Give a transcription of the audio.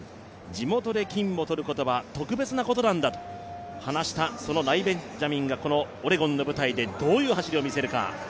地元で金を取ることは特別なことなんだと話したライ・ベンジャミンがこのオレゴンの舞台でどういう走りを見せるか。